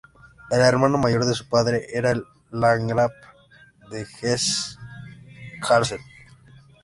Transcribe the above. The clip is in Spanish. El hermano mayor de su padre era el Landgrave de Hesse-Kassel.